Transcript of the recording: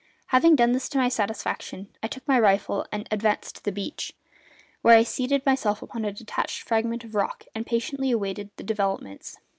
Having done this to my satisfaction I took my rifle and advanced to the open beach, where I seated myself upon a detached fragment of rock, and patiently awaited developments.